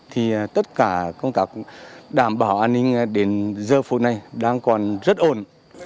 thì tất cả công tác đảm bảo an ninh đến giờ phút này đang còn rất ổn